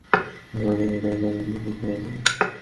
ভালো, এখন থেকে সে রান্না করলেই তুই খাবার পাবি।